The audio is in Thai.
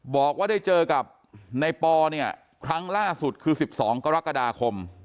บอกว่าได้เจอกับในปอเนี่ยครั้งล่าสุดคือ๑๒กรกฎาคม